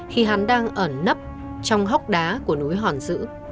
khi hắn đang ở nấp trong hóc đá của núi hòn dữ